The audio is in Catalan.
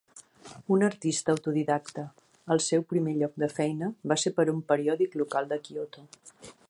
Un artista autodidacta, el seu primer lloc de feina va ser per un periòdic local de Kioto.